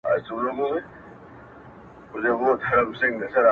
یوه ورځ لاري جلا سوې د یارانو.!